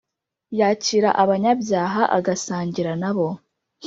yakira abanyabyaha agasangira na bo